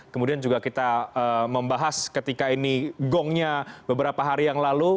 kemudian juga kita membahas ketika ini gongnya beberapa hari yang lalu